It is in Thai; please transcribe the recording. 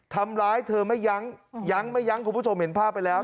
ทำร้ายเธอไม่ยั้งยั้งไม่ยั้งคุณผู้ชมเห็นภาพไปแล้ว